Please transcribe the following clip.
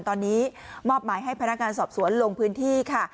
ตอนนี้มอบหมายให้พนักงานสอบสวนลงพื้นที่ค่ะ